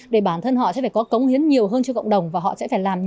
để bản thân họ sẽ phải có cống hiến nhiều hơn cho cộng đồng và họ sẽ phải làm